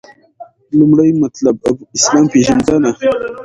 لومړی مطلب : اسلام پیژندنه